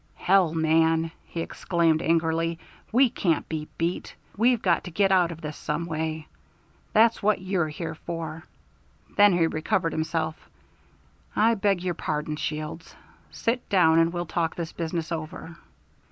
"Hell, man!" he exclaimed angrily. "We can't be beat. We've got to get out of this some way. That's what you're here for." Then he recovered himself. "I beg your pardon, Shields. Sit down, and we'll talk this business over."